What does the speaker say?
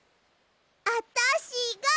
あたしが。